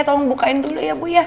tolong bukain dulu ya bu ya